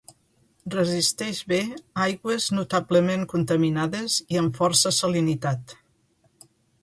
Resisteix bé aigües notablement contaminades i amb força salinitat.